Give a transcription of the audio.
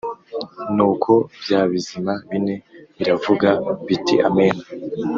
Nuko bya bizima bine biravuga biti Amen